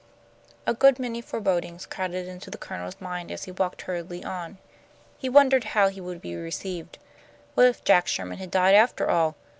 A good many forebodings crowded into the Colonel's mind as he walked hurriedly on. He wondered how he would be received. What if Jack Sherman had died after all?